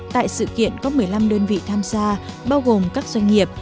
tại sự kiện có một mươi năm đơn vị tham gia bao gồm các doanh nghiệp